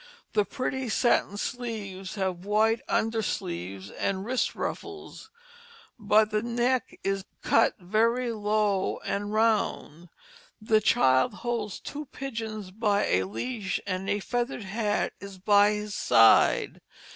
The pretty satin sleeves have white under sleeves and wrist ruffles, but the neck is cut very low and round. The child holds two pigeons by a leash, and a feathered hat is by his side.